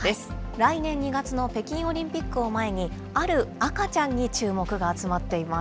来年２月の北京オリンピックを前に、ある赤ちゃんに注目が集まっています。